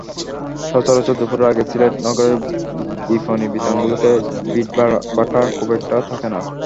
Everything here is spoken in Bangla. সচরাচর দুপুরের আগে সিলেট নগরের বিপণিবিতানগুলোতে ভিড়বাট্টা খুব একটা থাকে না।